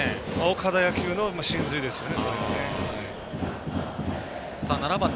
岡田野球の神髄ですよね。